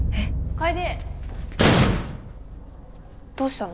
楓どうしたの？